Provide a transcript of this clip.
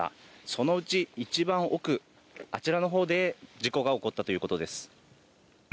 そのうち、一番奥あちらのほうで事故が起こったということです。